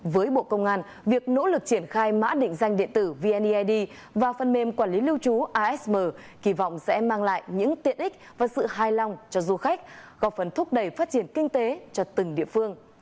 với bộ công an việc nỗ lực triển khai mã định danh điện tử vneid và phần mềm quản lý lưu trú asm kỳ vọng sẽ mang lại những tiện ích và sự hài lòng cho du khách góp phần thúc đẩy phát triển kinh tế cho từng địa phương